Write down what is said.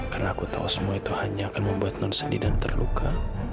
karena aku tahu semua itu hanya akan membuat non sendirian terluka